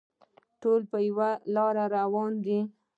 ټول په یوه لاره روان دي.